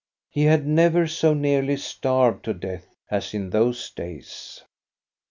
He had never so nearly starved to death as in those days.